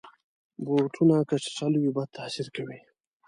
بوټونه که چټل وي، بد تاثیر کوي.